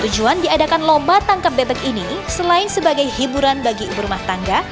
tujuan diadakan lomba tangkap bebek ini selain sebagai hiburan bagi ibu rumah tangga